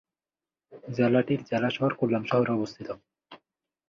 জেলা টি জেলাসদর কোল্লাম শহরে অবস্থিত।